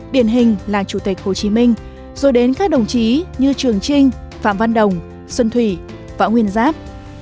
điển hình là chủ tịch hồ chí minh rồi đến các đồng chí như trường trinh phạm văn đồng xuân thủy võ nguyên giáp